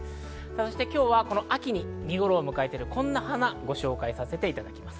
今日は秋に見頃を迎えているこんな花をご紹介させていただきます。